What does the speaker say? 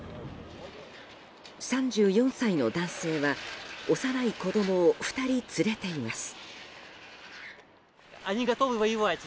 ３４歳の男性は幼い子供を２人連れています。